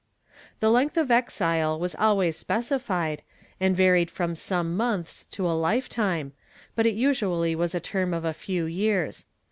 The length of exile was always specified, and varied from some months to a life time, but it usually was a term of a few years.